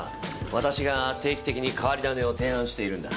私が定期的に変わり種を提案しているんだ。